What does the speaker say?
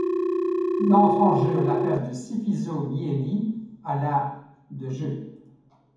Il entre en jeu à la place de Sifiso Myeni à la de jeu.